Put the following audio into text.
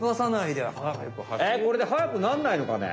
これで速くなんないのかね。